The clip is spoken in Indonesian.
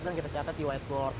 dan kita catat di whiteboard